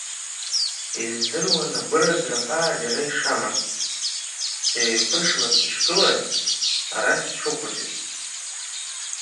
Издыруан агәыразра ҳәаа џьара ишамам, сеиқәышла сышгылаз, арахь сышхәыҷыз.